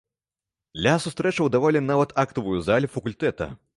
Для сустрэчаў давалі нават актавую залю факультэта.